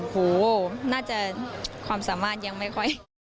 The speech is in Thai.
โหน่าจะความสามารถยังไม่ค่อย